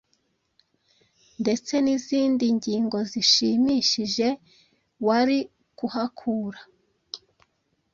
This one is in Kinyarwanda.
ndetse n’izindi ngingo zishimishije wari kuhakura